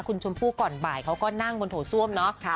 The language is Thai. คุณชมพู่ก่อนบ่ายเขาก็นั่งบนโถส้วมเนาะ